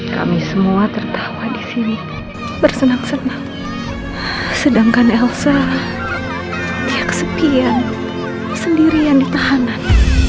kami semua tertawa disini bersenang senang sedangkan elsa dia kesepian sendirian ditahanan